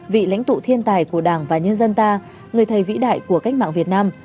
vị lãnh tụ thiên tài của đảng và nhân dân ta người thầy vĩ đại của cách mạng việt nam